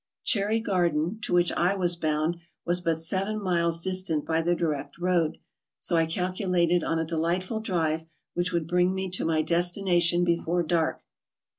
Cherry Garden, to which I was bound, was but seven miles distant by the direct road, so I calculated on a delightful drive which would bring me to my destination before dark.